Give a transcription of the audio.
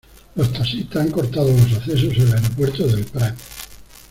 Los taxistas han cortado los accesos al aeropuerto de El Prat.